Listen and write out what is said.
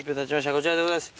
こちらでございます。